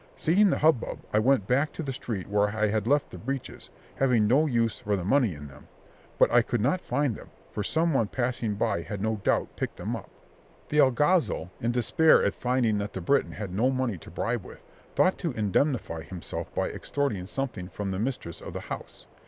Seeing the hubbub, I went back to the street where I had left the breeches, having no use for the money in them; but I could not find them, for some one passing by had no doubt picked them up. The alguazil, in despair at finding that the Breton had no money to bribe with, thought to indemnify himself by extorting something from the mistress of the house.